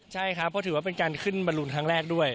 ใช่ครับเพราะถือว่าเป็นการขึ้นบรรลุนครั้งแรกด้วย